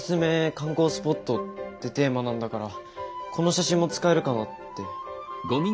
観光スポットってテーマなんだからこの写真も使えるかなって。